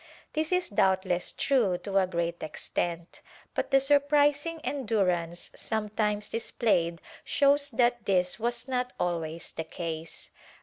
This is doubtless true to a great extent, but the surprising endurance sometimes displayed shows that this was not always the case.